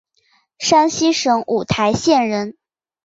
山西省五台县人。